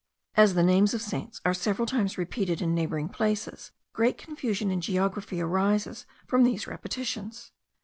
As the names of saints are several times repeated in neighbouring places, great confusion in geography arises from these repetitions.